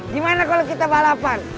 gimana kalau kita balapan